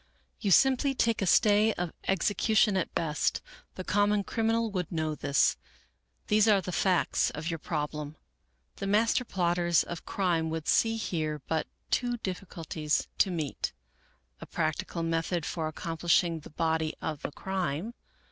You simply take a stay of execution at best. The common criminal would know this. These are the facts of your problem. The master plotters of crime would see here but two difficulties to meet :" A practical method for accomplishing the body of the crime.